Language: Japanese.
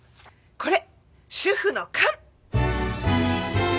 これ主婦の勘！